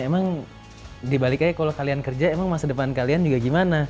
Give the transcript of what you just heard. emang dibaliknya kalau kalian kerja masa depan kalian juga gimana